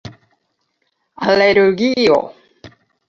alergio